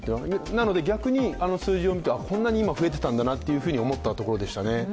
なので逆にあの数字を見て、今、こんなに増えてるんだなと思ったところでしたね。